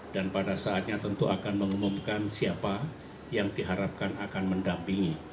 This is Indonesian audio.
dan pada saatnya tentu akan mengumumkan siapa yang diharapkan akan mendampingi